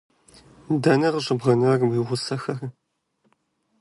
Дэнэ къыщыбгъэнар уи гъусэхэр?